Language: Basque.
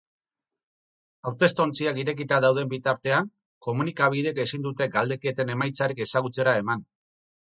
Hautestontziak irekita dauden bitartean, komunikabideek ezin dute galdeketen emaitzarik ezagutzera eman.